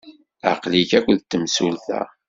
Aql-ik akked temsulta?